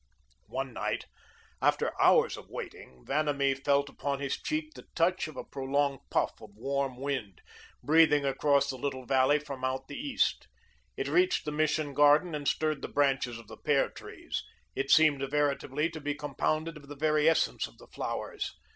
One night, after hours of waiting, Vanamee felt upon his cheek the touch of a prolonged puff of warm wind, breathing across the little valley from out the east. It reached the Mission garden and stirred the branches of the pear trees. It seemed veritably to be compounded of the very essence of the flowers.